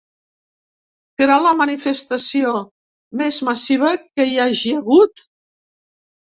Serà la manifestació més massiva que hi hagi hagut?